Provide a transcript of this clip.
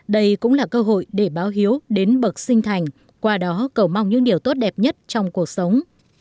đây cũng là cơ hội để báo hiếu đến bậc sinh thành qua đó cầu mong những điều tốt đẹp nhất trong cuộc sống